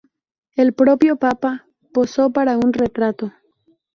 El propio Papa posó para un retrato.